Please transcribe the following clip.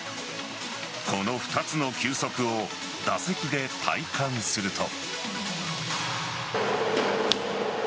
この２つの球速を打席で体感すると。